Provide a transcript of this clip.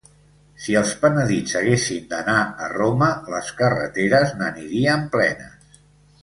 Si els penedits haguessin d'anar a Roma, les carreteres n'anirien plenes.